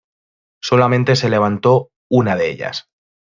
Solamente se levantó una de ellas.